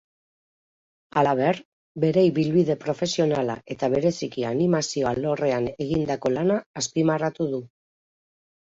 Halaber, bere ibilbide profesionala eta bereziki animazio alorrean egindako lana azpimarratu du.